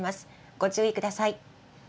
ご注意ください。